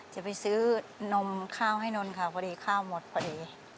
จะไปซื้อนมข้าวให้นนท์ค่ะพอดีข้าวหมดพอดี